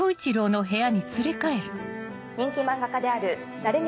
人気漫画家である鳴宮